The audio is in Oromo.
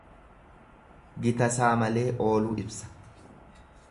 Gitasaa malee ooluu ibsa.